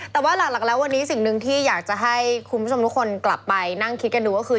แต่ว่าหลักแล้ววันนี้สิ่งหนึ่งที่อยากจะให้คุณผู้ชมทุกคนกลับไปนั่งคิดกันดูก็คือ